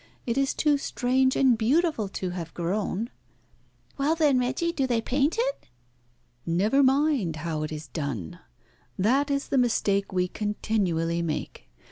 It is too strange and beautiful to have grown." "Well, then, Reggie, do they paint it?" "Never mind how it is done. That is the mistake we continually make.